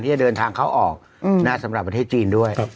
จะเดินทางเข้าออกสำหรับประเทศจีนด้วย